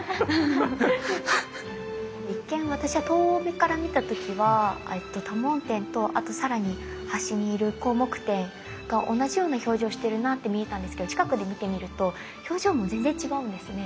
一見私は遠目から見た時は多聞天と更に端にいる広目天が同じような表情してるなって見えたんですけど近くで見てみると表情も全然違うんですね。